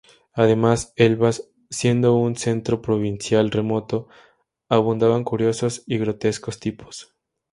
Además, Elvas, siendo un centro provincial remoto, abundaban curiosos y grotesco tipos.